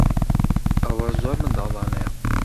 ئەوە زۆر منداڵانەیە.